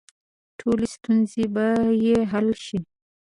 ټولې ستونزې به یې حل شي.